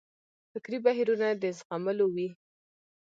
فکري بهیرونه د زغملو وي.